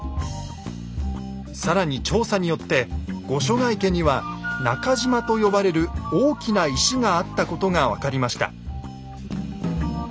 更に調査によって御所ヶ池には「中島」と呼ばれる大きな石があったことが分かりました。